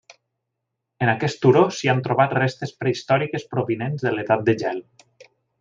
En aquest turó s'hi han trobat restes prehistòriques provinents de l'edat de gel.